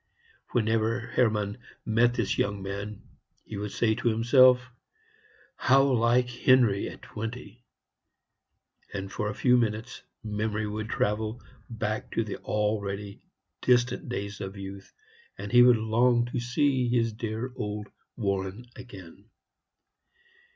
Whenever Hermann met this young man he would say to himself, "How like Henry at twenty!" and for a few minutes memory would travel back to the already distant days of youth, and he would long to see his dear old Warren again.